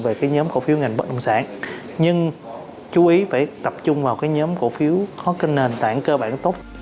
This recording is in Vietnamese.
về nhóm cổ phiếu ngành bất động sản nhưng chú ý phải tập trung vào nhóm cổ phiếu có nền tảng cơ bản tốt